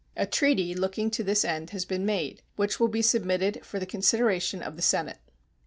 A treaty looking to this end has been made, which will be submitted for the consideration of the Senate.